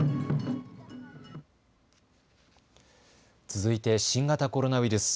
続いて新型コロナウイルス。